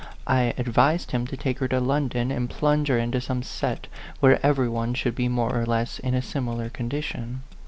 I advised him to take her to London and plunge her into some set where every one should be more or less in a similar condition.